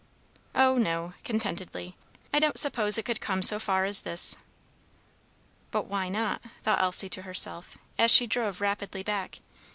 "Oh, no!" contentedly. "I don't suppose it could come so far as this." "But why not?" thought Elsie to herself, as she drove rapidly back.